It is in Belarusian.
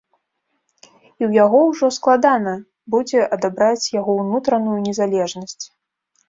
І ў яго ўжо складана будзе адабраць яго ўнутраную незалежнасць.